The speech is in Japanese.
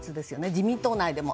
自民党内でも。